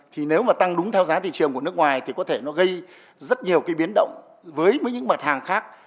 thì nếu mà tăng đúng theo giá thị trường của nước ngoài thì có thể nó gây rất nhiều cái biến động với những mặt hàng khác